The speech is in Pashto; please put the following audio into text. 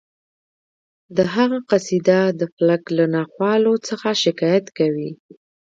د هغه قصیده د فلک له ناخوالو څخه شکایت کوي